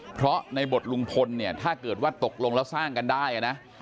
เพราะในบทลุงพลเนี่ยถ้าเกิดว่าตกลงแล้วสร้างกันได้นะ